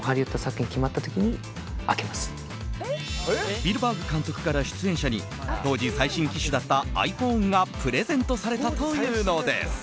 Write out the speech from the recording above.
スピルバーグ監督から出演者に当時、最新機種だったｉＰｈｏｎｅがプレゼントされたというのです。